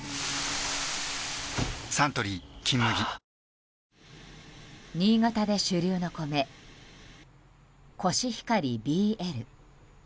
サントリー「金麦」新潟で主流の米コシヒカリＢＬ。